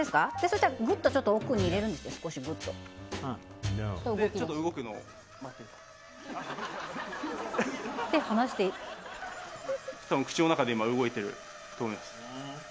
そしたらグッとちょっと奥に入れるんですって少しグッとちょっと動くのを待って手離してたぶん口の中で今動いてると思います